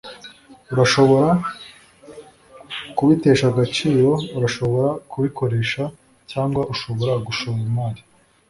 Urashobora kubitesha agaciro, urashobora kubikoresha, cyangwa ushobora gushora imari.